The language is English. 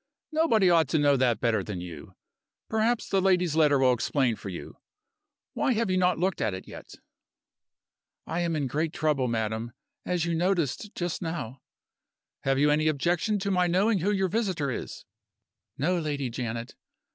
"Nobody ought to know that better than you. Perhaps the lady's letter will explain for you. Why have you not looked at it yet?" "I am in great trouble, madam, as you noticed just now " "Have you any objection to my knowing who your visitor is?" "No, Lady Janet."